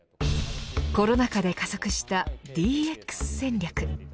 コロナ禍で加速したＤＸ戦略。